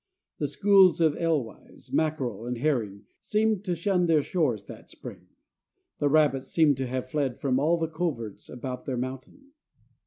The schools of alewives, mackerel, and herring seemed to shun their shores that spring. The rabbits seemed to have fled from all the coverts about their mountain.